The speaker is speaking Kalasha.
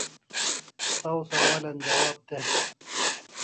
Saw sawalan jawab de